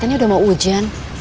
ini udah mau hujan